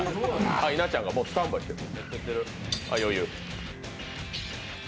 稲ちゃんがもうスタンバイしてる。